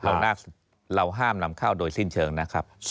เพราะน่าเราห้ามนำเข้าโดยสิ้นเชิงนะครับ